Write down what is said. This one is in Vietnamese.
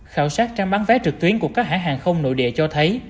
khảo sát trang bán vé trực tuyến của các hãng hàng không nội địa cho thấy